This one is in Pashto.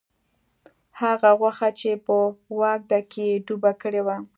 هغه غوښه چې په وازده کې یې ډوبه کړې وه.